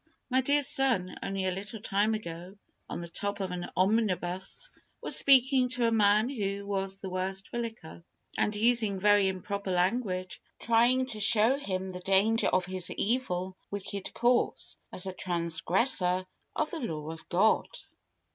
My dear son, only a little time ago, on the top of an omnibus, was speaking to a man who was the worse for liquor, and using very improper language; trying to show him the danger of his evil, wicked course, as a transgressor of the law of God.